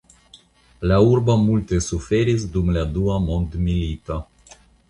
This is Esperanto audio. La urbo multe suferis dum la Dua Mondmilito.